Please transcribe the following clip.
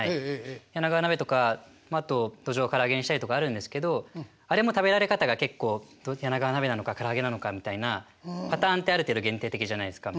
柳川鍋とかまああとドジョウをから揚げにしたりとかあるんですけどあれも食べられ方が結構柳川鍋なのかから揚げなのかみたいなパターンってある程度限定的じゃないですか。